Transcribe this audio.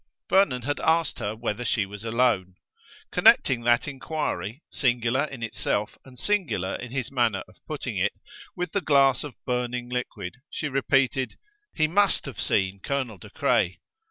Vernon had asked her whether she was alone. Connecting that inquiry, singular in itself, and singular in his manner of putting it, with the glass of burning liquid, she repeated: "He must have seen Colonel De Craye!"